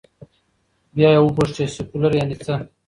بیا یې وپوښت، چې سیکولر یعنې څه؟